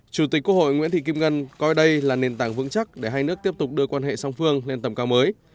chủ tịch quốc hội nguyễn thị kim ngân coi đây là nền tảng vững chắc để hai nước tiếp tục đưa quan hệ song phương lên tầm cao mới